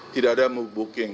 tidak ada booking